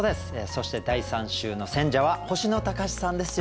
そして第３週の選者は星野高士さんです。